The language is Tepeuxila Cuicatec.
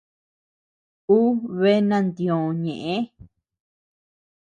Ú bea nantiö ñeʼë.